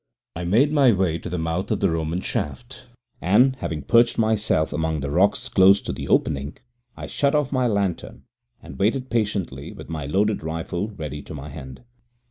I made my way to the mouth of the Roman shaft, and, having perched myself among the rocks close to the opening, I shut off my lantern and waited patiently with my loaded rifle ready to my hand.